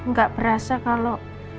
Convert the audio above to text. gak berasa kalo